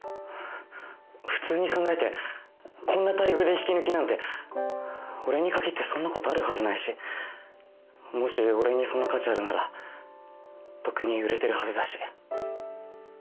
普通に考えてこんな待遇で引き抜きなんて俺に限ってそんなことあるはずないしもし俺にそんな価値あるならとっくに売れてるはずだし。